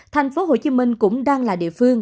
thành phố hồ chí minh cũng đang là địa phương